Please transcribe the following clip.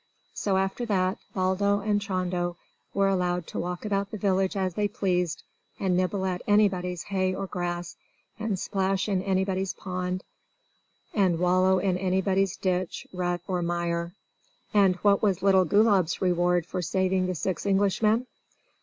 So after that, Baldo and Chando were allowed to walk about the village as they pleased, and nibble at anybody's hay or grass, and splash in anybody's pond, and wallow in anybody's ditch, rut, or mire. And what was little Gulab's reward for saving the six Englishmen?